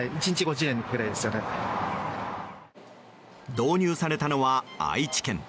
導入されたのは、愛知県。